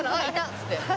っつって。